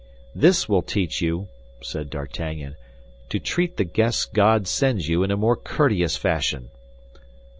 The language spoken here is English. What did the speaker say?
"This will teach you," said D'Artagnan, "to treat the guests God sends you in a more courteous fashion."